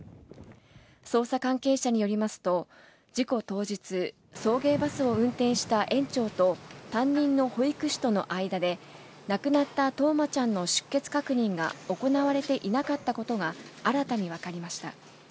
捜査関係者によりますと、事故当日、送迎バスを運転した園長と担任の保育士との間で、亡くなった冬生ちゃんの出欠確認が行われていなかったことが新たに分かりました。